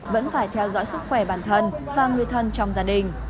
vẫn phải theo dõi sức khỏe bản thân và người thân trong gia đình